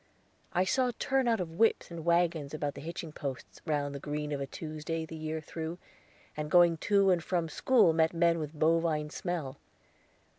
I saw a turnout of whips and wagons about the hitching posts round the green of a Tuesday the year through, and going to and from school met men with a bovine smell.